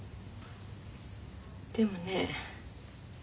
でもね